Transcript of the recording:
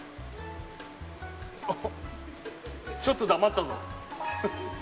ちょっと黙ったぞ。